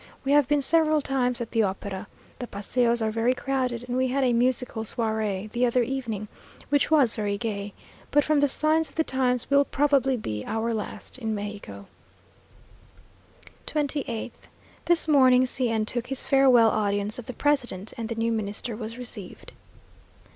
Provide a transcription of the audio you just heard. We have been several times at the opera; the paseos are very crowded, and we had a musical soirée the other evening, which was very gay, but from the signs of the times, will probably be our last in Mexico. 28th. This morning C n took his farewell audience of the president, and the new Minister was received.